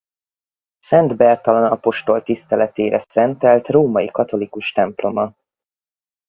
Szent Bertalan apostol tiszteletére szentelt római katolikus temploma.